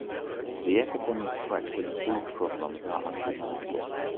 The epidemic threats and food problems are undeniable.